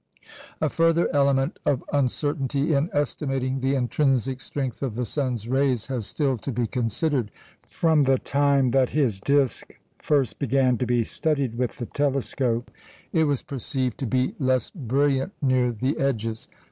A further element of uncertainty in estimating the intrinsic strength of the sun's rays has still to be considered. From the time that his disc first began to be studied with the telescope, it was perceived to be less brilliant near the edges.